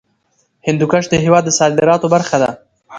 هندوکش د هېواد د صادراتو برخه ده.